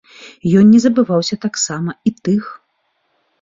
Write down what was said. Ён не забываўся таксама і тых.